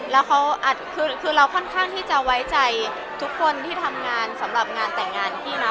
แล้วเขาคือเราค่อนข้างที่จะไว้ใจทุกคนที่ทำงานสำหรับงานแต่งงานพี่นะ